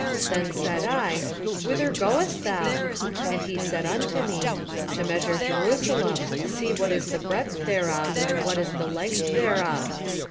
2:2 Then said I, Whither goest thou? And he said unto me, To measure Jerusalem, to see what is the breadth thereof, and what is the length thereof.